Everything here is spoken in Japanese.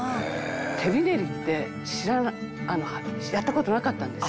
「手びねりって知らないやった事なかったんです」